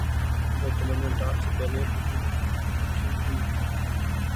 বর্তমানে ডাচ দলের অধিনায়কত্ব করছেন তিনি।